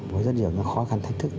với rất nhiều khó khăn thách thức